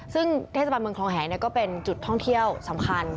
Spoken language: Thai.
ซึ่งเทศบาลเมืองคลองแหก็เป็นจุดท่องเที่ยวสำคัญ